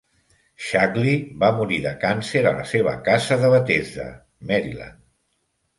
Shackley va morir de càncer a la seva casa de Bethesda (Maryland).